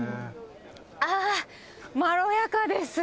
あー、まろやかです。